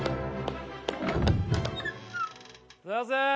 ・・すいません。